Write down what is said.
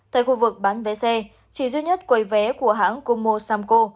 tại khu vực bán vé xe chỉ duy nhất quầy vé của hãng kumo samco